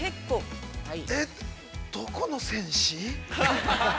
◆えっどこの戦士？